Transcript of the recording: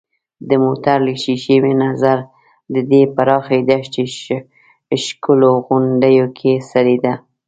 د موټر له ښېښې مې نظر د دې پراخې دښتې شګلنو غونډیو کې څرېده.